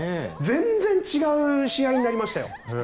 全然違う試合になりましたよ。